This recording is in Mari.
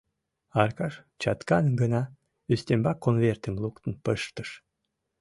— Аркаш чаткан гына ӱстембак конвертым луктын пыштыш.